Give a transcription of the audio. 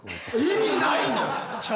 意味ないの？